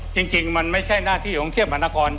จริงมันไม่ใช่หน้าที่ของเทียบหมานคร